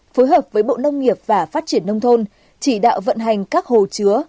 phối hợp với bộ nông nghiệp và phát triển nông thôn chỉ đạo vận hành các hồ chứa